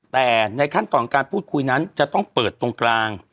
แต่ในขั้นตอนการพูดคุยนั้นจะต้องเปิดตรงกลาง